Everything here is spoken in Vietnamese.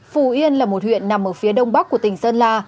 phù yên là một huyện nằm ở phía đông bắc của tỉnh sơn la